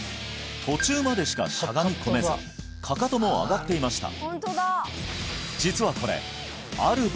途中までしかしゃがみ込めずかかとも上がっていました